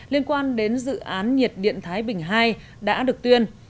liên quan đến dự án nhiệt điện thái bình ii đã được tuyên